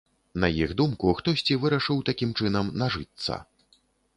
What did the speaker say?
На іх думку, хтосьці вырашыў такім чынам нажыцца.